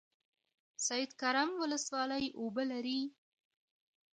سید کرم ولسوالۍ اوبه لري؟